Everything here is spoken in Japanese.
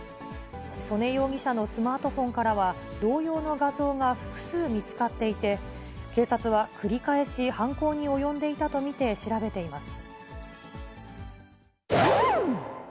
曽根容疑者のスマートフォンからは、同様の画像が複数見つかっていて、警察は繰り返し犯行に及んでいたと見て調べています。